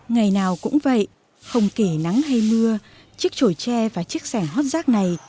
ngày nào cũng vậy không kể nắng hay mưa chiếc trổi tre và chiếc sẻ hót rác này